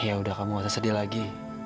ya udah kamu gak usah sedih lagi